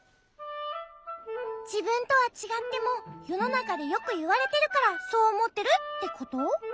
じぶんとはちがってもよのなかでよくいわれてるからそうおもってるってこと？